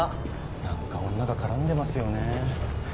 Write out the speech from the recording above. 何か女が絡んでますよね。